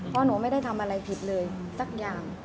เพราะหนูไม่ได้ทำอะไรผิดเลยสักอย่าง